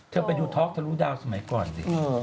ไปดูท็อกทะลุดาวสมัยก่อนสิ